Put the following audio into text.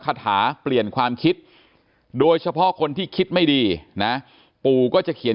คาถาเปลี่ยนความคิดโดยเฉพาะคนที่คิดไม่ดีนะปู่ก็จะเขียน